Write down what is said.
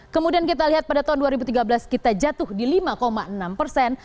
kemudian kita lihat pada tahun dua ribu tiga belas kita jatuh di lima enam persen